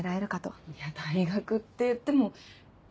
いや大学っていってもねぇ。